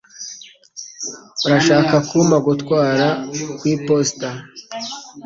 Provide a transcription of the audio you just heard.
Urashaka kumpa gutwara ku iposita?